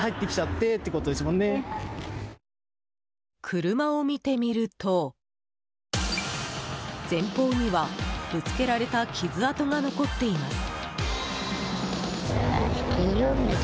車を見てみると、前方にはぶつけられた傷跡が残っています。